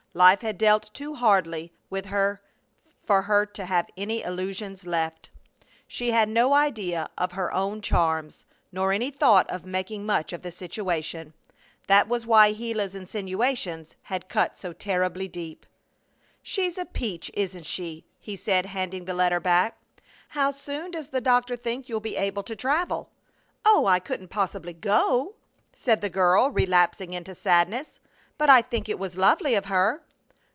Life had dealt too hardly with her for her to have any illusions left. She had no idea of her own charms, nor any thought of making much of the situation. That was why Gila's insinuations had cut so terribly deep. "She's a peach, isn't she?" he said, handing the letter back. "How soon does the doctor think you'll be able to travel?" "Oh, I couldn't possibly go," said the girl, relapsing into sadness; "but I think it was lovely of her."